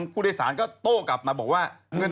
ก็ได้เอามารับร้อย